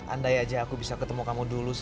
andai aja aku bisa ketemu kamu dulu